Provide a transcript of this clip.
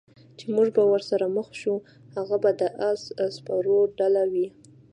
چې موږ به ورسره مخ شو، هغه به د اس سپرو ډله وي.